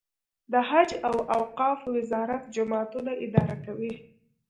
د حج او اوقافو وزارت جوماتونه اداره کوي